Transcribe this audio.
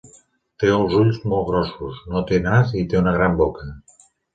Té els ulls molts grossos, no té nas i té una gran boca.